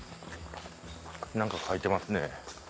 何か書いてますね。